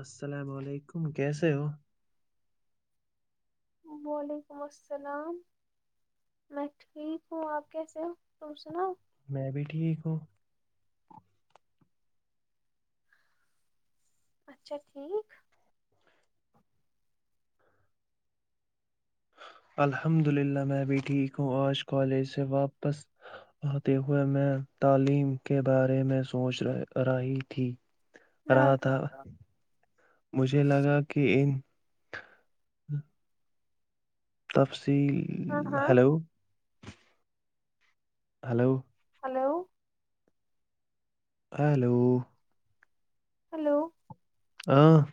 السلام علیکم کیسے ہو [unintelligible] وعلیکم السلام میں ٹھیک ہوں آپ کیسے ہو تم سناؤ [unintelligible] میں بھی ٹھیک ہوں [unintelligible] اچھا ٹھیک [unintelligible] الحمد للہ میں بھی ٹھیک ہوں آج کالج سے واپس آتے ہوئے میں تعلیم کے بارے میں سوچ رہی تھی [unintelligible] رہا تھا مجھے لگا کہ ان [unintelligible] ہاں [inaudible] [unintelligible] تب سے [inaudible] [unintelligible] ہاں جی ہاں hello [unintelligible] hello [unintelligible] hello [unintelligible] hello [unintelligible] hello [inaudible] [unintelligible] ہاں [unintelligible]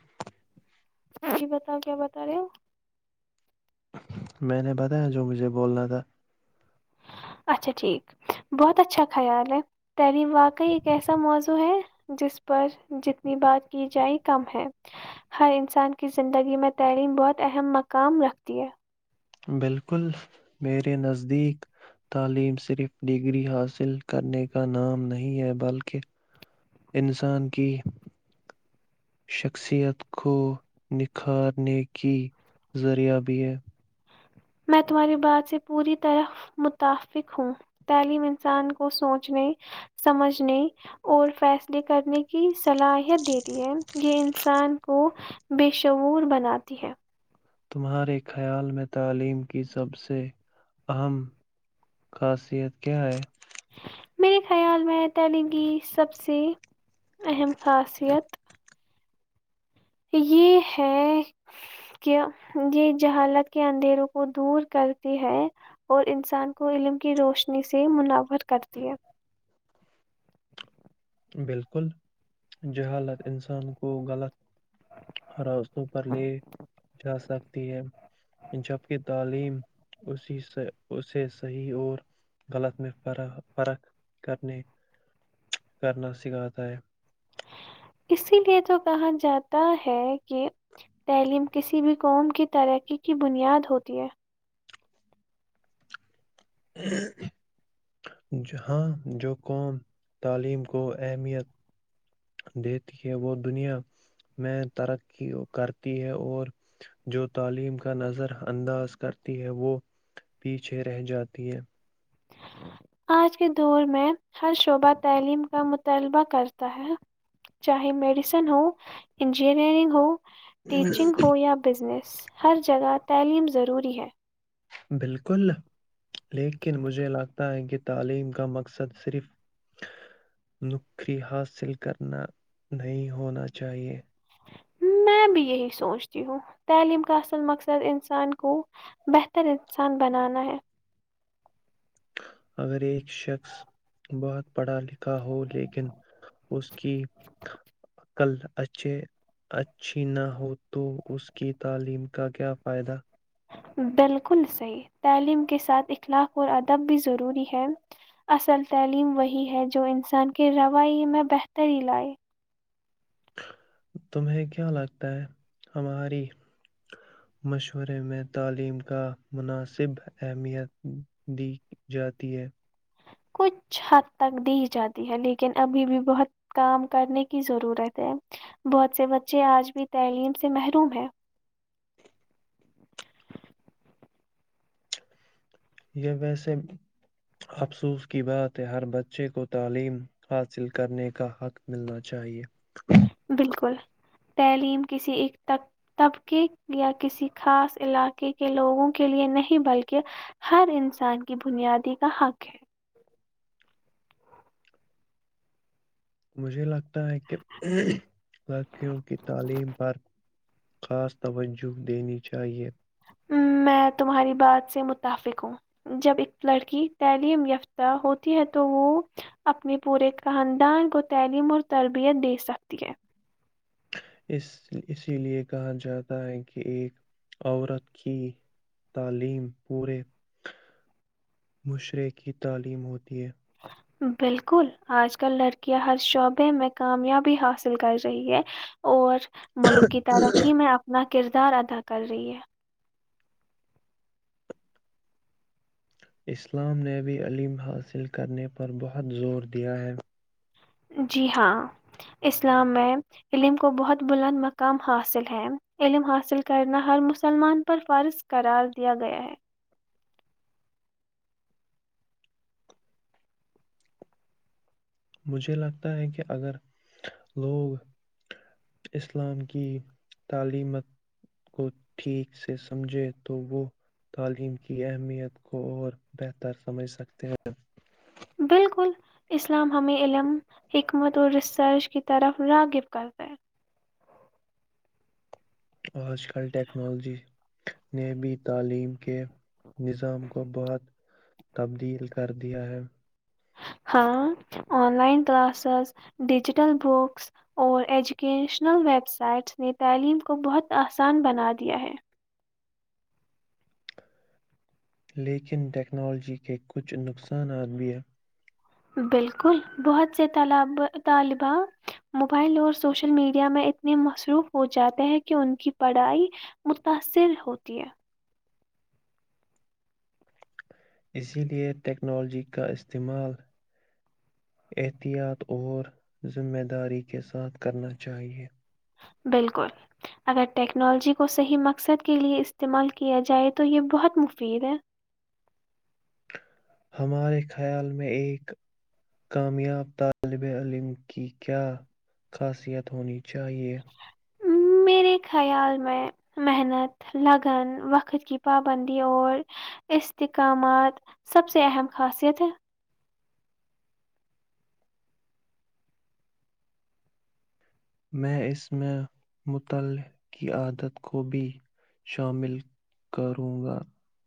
جی بتاؤ کیا بتا رہے ہو [unintelligible] میں نے بتایا جو مجھے بولنا تھا [unintelligible] اچھا ٹھیک بہت اچھا خیال ہے تعلیم واقعی ایک ایسا موضوع ہے جس پر جتنی بات کی جائے کم ہے ہر انسان کی زندگی میں تعلیم بہت اہم مقام رکھتی ہے [unintelligible] بالکل میرے نزدیک تعلیم صرف ڈگری حاصل کرنے کا نام نہیں ہے بلکہ انسان کی شخصیت کو نکھارنے کی ذریعہ بھی ہے [unintelligible] میں تمہاری بات سے پوری طرح متفق ہوں تعلیم انسان کو سوچنے سمجھنے اور فیصلے کرنے کی صلاحیت دیتی ہے یہ انسان کو بےشور بناتی ہے [unintelligible] تمہارے خیال میں تعلیم کی سب سے اہم خاصیت کیا ہے [unintelligible] میرے خیال میں تلی کی سب سے اہم خاصیت [unintelligible] یہ ہے کہ یہ جہالت کے اندھیروں کو دور کرتی ہے اور انسان کو علم کی روشنی سے منورور کرتی ہے [unintelligible] بالکل [unintelligible] ج حالت انسان کو غلط راستوں پر لے جا سک [unintelligible] جبکہ تعلیم اسی اسے صحیح اور غلط میں ف فرق کرنے [unintelligible] کرنا سکھاتا ہے [unintelligible] اسی لیے تو کہا جاتا ہے کہ تعلیم کسی بھی قوم کی ترقی کی بنیاد ہوتی ہے [unintelligible] جہاں جو قوم تعلیم کو اہمیت [unintelligible] دیتی ہے وہ دنیا میں ترقی کرتی ہے اور جو تعلیم کا نظر انداز کرتی ہے وہ پیچھے رہ جاتی ہے [unintelligible] آج کے دور میں ہر شعبہ تعلیم کا مطالبہ کرتا ہے چاہے میڈیسن ہو انجینئرنگ ہو [unintelligible] ٹیچنگ ہو یا بزنس [unintelligible] ہر جگہ تعلیم ضروری ہے [unintelligible] بالکل لیکن مجھے لگتا ہے کہ تعلیم کا مقصد صرف نکری حاصل کرنا نہیں ہونا چاہیے [unintelligible] میں بھی یہی سوچتی ہوں تعلیم کا اصل مقصد انسان کو بہتر انسان بنانا ہے [unintelligible] اگر ایک شخص بہت پڑھا لکھا [unintelligible] ہو لیکن اس کی [unintelligible] کل اچھے اچھی نہ ہو تو اس کی تعلیم کا کیا فائدہ [unintelligible] بالکل صحیح تعلیم کے ساتھ اخلاق اور ادب بھی ضروری ہے اصل تعلیم وہی ہے جو انسان کے روی میں بہتری لائے [unintelligible] تمہیں کیا لگتا ہے ہماری مشورے میں تعلیم کا مناسب اہمیت دی جاتی ہے [unintelligible] کچھ حد تک دی جاتی ہے لیکن ابھی بھی بہت کام کرنے کی ضرورت ہے بہت سے بچے آج بھی تعلیم سے محروم ہے [unintelligible] یہ ویسے افسوس کی بات ہے ہر بچے کو تعلیم حاصل کرنے کا حق ملنا چاہیے بالکل تعلیم کسی ایک طبقے یا کسی خاص علاقے کے لوگوں کے لئے نہیں بلکہ ہر انسان کی بنیادی کا حق ہے مجھے لگتا تا ہے کہ لڑکیوں کی تعلیم پر خاص توجہ دینی چاہیے میں تمہاری بات سے متفق ہوں جب ایک لڑکی تعلیم یافتہ ہوتی ہے تو وہ اپنے پورے خاندان کو تعلیم اور تربیت دے سکتی ہے اس اسی لیے کہا جاتا ہے کہ ایک عورت کی تعلیم پورے مشرے کی تعلیم ہوتی ہے بالکل آج کل لڑکیاں ہر شعبے میں کامیابی حاصل کر رہی ہے اور مولکی تارا ہے کی میں اپنا کردار ادا کر رہی ہے اسلام نے بھی عم حاصل کرنے پر بہت زور دیا ہے جی ہاں اسلام میں علم کو بہت بلند مقام حاصل ہے علم حاصل کرنا ہر مسلمان پر فارض قرار دیا گیا ہے مجھے لگتا ہے کہ اگر لوگ اسلام کی تعلیمت کو ٹھیک سے سمجھے تو وہ تعلیم کی اہمیت کو اور بہتر سمجھ سکتے ہیں بالکل اسلام ہمیں علم حکمت اور ریسرچ کی طرف راغب کرتے آج کل ٹیکنالوجی نے بھی تعلیم کے نظام کو بہت تبدیل کر دیا ہے ہاں online classes digital books اور ایجوکیشنل ویب سائٹس نے تعلیم کو بہت آسان بنا دیا ہے لیکن ٹیکنالوجی کے کچھ نقصانات بھی بالکل بہت سے ط طالبہ موبائل اور سوشل میڈیا میں اتنے مصروف ہو جاتے ہیں کہ ان کی پڑھائی متاثر ہوتی ہے اسی لئے ٹیکنالوجی کا استعمال احتیاط اور ذمہ داری کے ساتھ کرنا چاہیئے بالکل اگر ٹیکنالوجی کو صحیح مقصد کے لئے استعمال کیا جائے تو یہ بہت مفید ہے ہمارے خیال میں ایک کامیاب طالب علم کی کیا خاصیت ہونی چاہیے میرے خیال میں محنت لگن وقت کی پابندی اور استحکامات سب سے اہم خاصیت ہے میں اس میں مطلع کی عادت کو بھی شامل کروں گا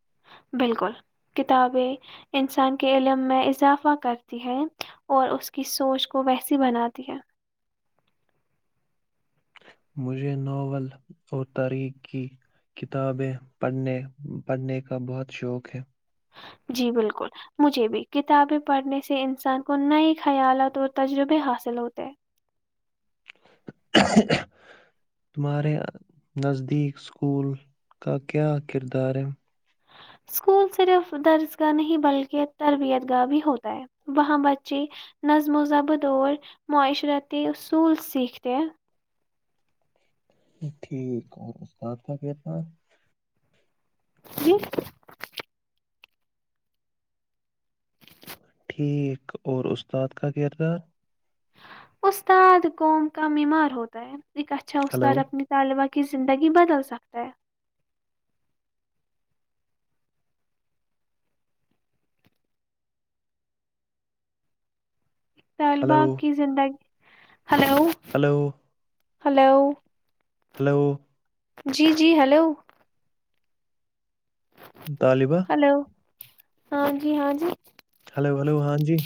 [inaudible] مجھے ناول اور تاریخ کی کتابیں پڑھنے کا بہت شوق ہے جی بالکل مجھے بھی کتابیں پڑھنے سے انسان کو نئے خیالت اور تجربے حاصل ہوتے ہیں تمہارے نزدیک اسکول کا کیا کردار ہے اسکول صرف درس کا نہیں بلکہ تربیت گاہ بھی ہوتا ہے وہاں بچے نظم و ضبد اور معاشرتی اصول سیکھتے ہیں ٹھیک اور استاد کا کہنا جی ایک اور استاد کا کردار استاد قوم کا بیمار ہوتا ہے ایک اچھا ہلو استاد اپنی طالبہ کی زندگی بدل سکتا ہے طالبا ہلو کی زندگی ہیلو ہلو ہلو ہلو جی جی ہیلو طالبہ ہلو ہاں جی ہاں جی ہلو ہلو ہاں جی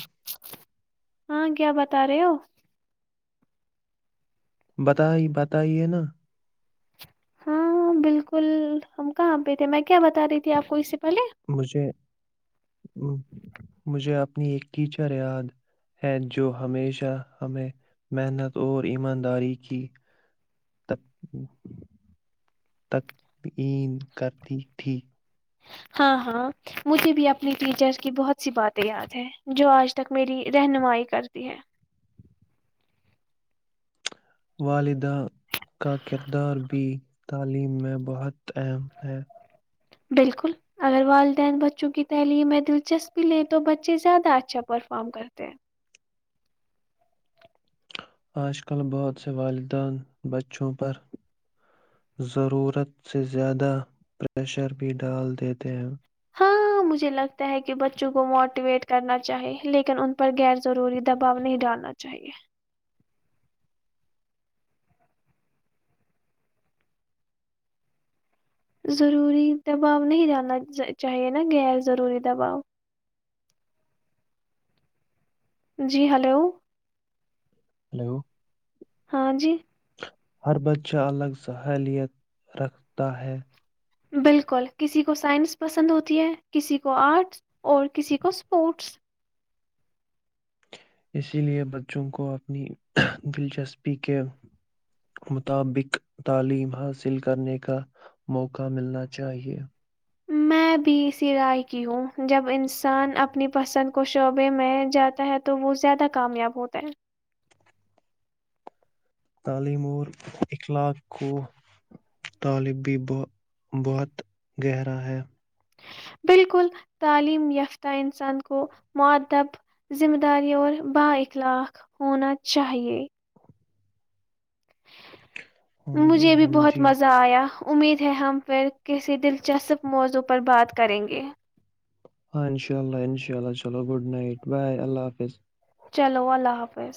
ہاں کیا بتا رہے ہو بتائی بتائیے نا ہاں بالکل ہم کہاں پہ تھے میں کیا بتا رہی تھی آپ کو اس سے پہلے مجھے مجھے اپنی ایک ٹیچر یاد ہے جو ہمیشہ ہمیں محنت اور ایمانداری کی تکعین کرتی تھی ہاں ہاں مجھے بھی اپنی ٹیچر کی بہت سی باتیں یاد ہیں جو آج تک میری رہنمائی کرتی ہے والدہ کا کردار بھی تعلیم میں بہت اہم ہے بالکل اگر والدین بچوں کی تعلیم میں دلچسپی لیں تو بچے زیادہ اچھا پرفارم کرتے ہیں آج کل بہت سے والدین بچوں پر ضرورت سے زیادہ پریشر بھی ڈال دیتے ہیں ہاں مجھے لگتا ہے کہ بچوں کو موٹیویٹ کرنا چاہیے لیکن ان پر غیر ضروری دباؤ نہیں ڈالنا چاہیے ضروری دباؤ نہیں جانا چاہیے نا گغیر ضروری دباؤ جی ہلو ہلو ہاں جی ہر بچہ الگ صہلیت رکھتا ہے بالکل کسی کو سائنس پسند ہوتی ہے کسی کو آرٹس اور کسی کو اسپورٹس اسی لیے بچوں کو اپنی دلچسپی کے مطابق تعلیم حاصل کرنے کا موقع ملنا چاہیے میں بھی اسی رائے کی ہوں جب انسان اپنی پسند کو شعبے میں جاتا ہے تو وہ زیادہ کامیاب ہوتا ہے تعلیم اور اخلاق کو طالب بھی بہت گہرا ہے بالکل تعلیم یافتہ انسان کو معدب ذمہ داری اور بااخلاق ہونا چاہیے ہاں جی مجھے بھی ہاں بہت جی مزہ آیا امید ہے ہم پھر کسی دلچسپ موضوع پر بات کریں گے ہاں انشاء اللہ انشاء اللہ چلو گڈ نائٹ بائے اللہ حافظ چلو اللہ حافظ